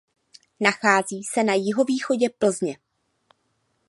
Nachází se na jihovýchodě Plzně.